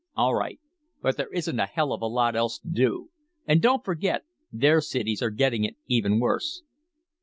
"All right, but there isn't a hell of a lot else to do. And don't forget, their cities are getting it even worse."